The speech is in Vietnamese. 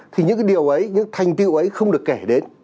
thì những cái điều ấy những thành tiêu ấy không được kể đến